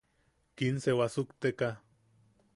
Quince wasukteka.